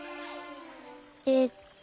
えっと。